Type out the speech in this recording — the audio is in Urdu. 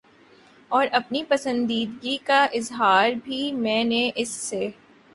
اور اپنی پسندیدگی کا اظہار بھی میں نے اس سے